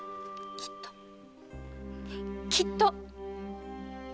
きっときっと！